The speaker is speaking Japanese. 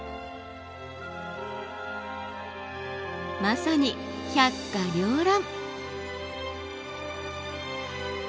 まさに百花繚乱！